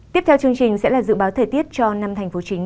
tiếp theo chương trình sẽ là dự báo thời tiết cho năm thành phố chính